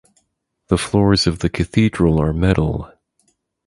The floors of the cathedral are metal.